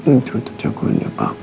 itu tuh coklatnya bapak